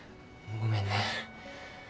ごめんね。